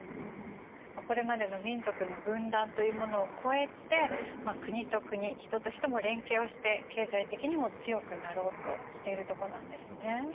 これまでの民族の分断というものを超えて国と国人と人も連携をして経済的にも強くなろうとしているとこなんですね。